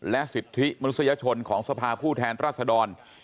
และสิทธิมนุษยชนของสภาผู้แทนรัศดร